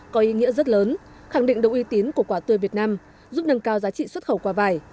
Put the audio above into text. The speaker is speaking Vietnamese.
có ý nghĩa rất lớn khẳng định độ uy tín của quả tươi việt nam giúp nâng cao giá trị xuất khẩu quả vải